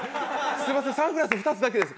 「すみませんサングラス２つだけです」。